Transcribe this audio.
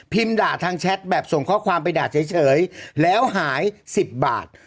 ด่าทางแชทแบบส่งข้อความไปด่าเฉยแล้วหาย๑๐บาท